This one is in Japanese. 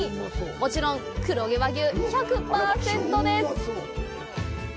もちろん黒毛和牛１００％です！